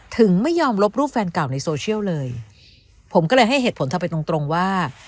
ถึงไม่ยอมลบรูปแฟนเก่าในโซเชียลเลยผมก็เลยให้เหตุผลทำเป็นตรงตรงว่า